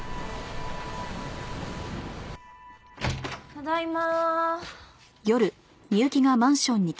ただいま。